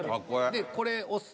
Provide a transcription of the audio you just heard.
でこれ押すと。